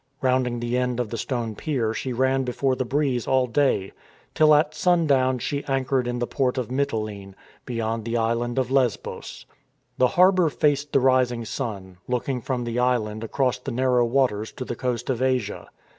Rounding the end of the stone pier she ran before the breeze all day, till at sundown she anchored in the port of Mitylene, behind the island of Lesbos. The harbour faced the rising sun, looking from the island across the narrow waters to the coast of Asia.